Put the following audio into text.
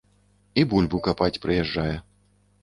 І бульбу капаць прыязджае.